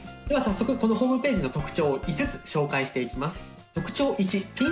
では早速このホームページの特徴を５つ紹介していきます。